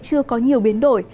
chưa có nhiều biến đổi